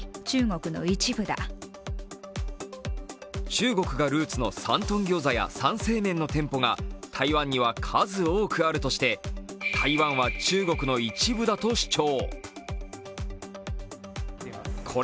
中国がルーツのサントン餃子や山西麺の店が台湾には数多くあるとして台湾は中国の一部だと主張。